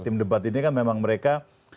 tim debat ini kan memang mereka